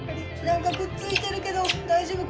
何かくっついてるけど大丈夫？